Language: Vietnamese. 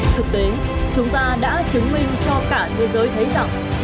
thực tế chúng ta đã chứng minh cho cả thế giới thấy rằng